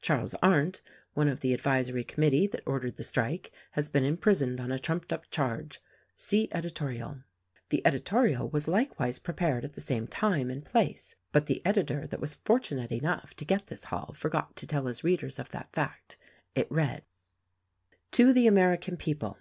"Charles Arndt, one of the advisory committee, that ordered the strike, has been imprisoned on a trumped up charge — See Editorial." The editorial was likewise prepared at the same time and place (but the editor that was fortunate enough to get this haul forgot to tell his readers of that fact) . It read : TO THE AMERICAN PEOPLE.